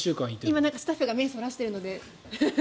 今、スタッフが目をそらしているので。